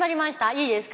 いいですか？